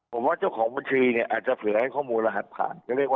ต้องว่าเจ้าของบัญชีช่องไปให้ข้อมูลไหลหัดผ่าน